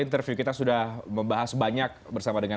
kemudian ada reshuffle kabinet di depan